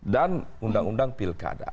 dan undang undang pilkada